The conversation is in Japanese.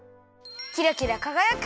キラキラかがやく！